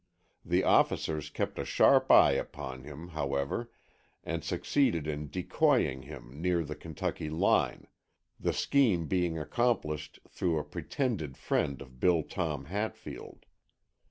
The officers kept a sharp eye upon him, however, and succeeded in decoying him near the Kentucky line, the scheme being accomplished through a pretended friend of Bill Tom Hatfield.